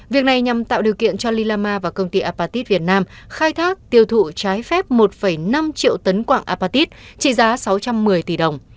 việc này nhằm tạo điều kiện cho lilama và công ty apatit việt nam khai thác tiêu thụ trái phép một năm triệu tấn quạng apatit trị giá sáu trăm một mươi tỷ đồng